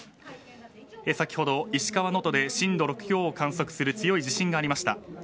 先ほど石川能登で震度６強を観測する強い地震がありました。